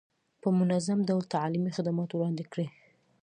په منظم ډول تعلیمي خدمات وړاندې کړي.